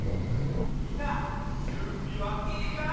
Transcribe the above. みんなじゅんびはいいかい？